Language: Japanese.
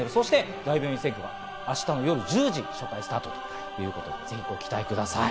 『大病院占拠』は明日の夜１０時初回スタート、ぜひご期待ください。